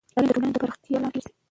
تعلیم د ټولنې د پراختیا لامل ګرځی.